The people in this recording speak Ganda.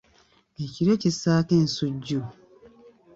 Ekiryo kissaako ensujju.